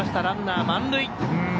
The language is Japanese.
ランナー満塁。